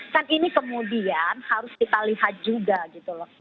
kan ini kemudian harus kita lihat juga gitu loh